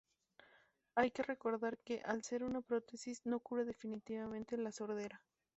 Hay que recordar que, al ser una prótesis, no cura definitivamente la sordera.